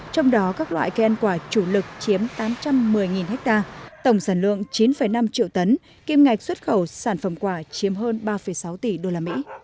trong đó các loại cây ăn quả chủ lực chiếm tám trăm một mươi ha tổng sản lượng chín năm triệu tấn kim ngạch xuất khẩu sản phẩm quả chiếm hơn ba sáu tỷ usd